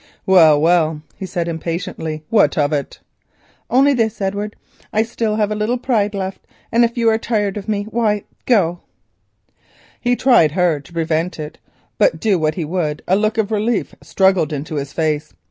"Well, well," he said impatiently, "what of it?" "Only this, Edward. I have still a little pride left, and as you are tired of me, why—go." He tried hard to prevent it, but do what he would, a look of relief struggled into his face.